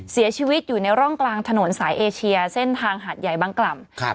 เสียชีวิตอยู่ในร่องกลางถนนสายเอเชียเส้นทางหาดใหญ่บางกล่ำครับ